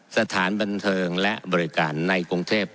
สถานบันเทิงและบริการในกรุงเทพ